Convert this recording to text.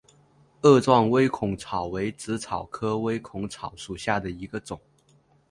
萼状微孔草为紫草科微孔草属下的一个种。